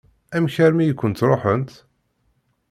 Amek armi i kent-ṛuḥent?